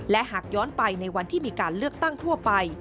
และหากย้อนไปในวันที่มีการเลือกตั้งทั่วไป